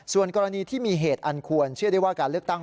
ส่วนกรณีที่มีเหตุอันควรเชื่อได้ว่าการเลือกตั้ง